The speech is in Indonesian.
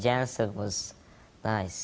janset itu juga bagus